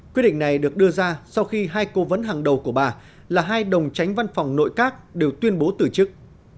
quyết định này được đưa ra sau khi hai cố vấn hàng đầu của bà là hai đồng tránh văn phòng nội các đều tuyên bố từ chức